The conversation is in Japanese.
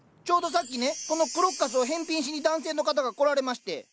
ちょうどさっきねこのクロッカスを返品しに男性の方が来られまして。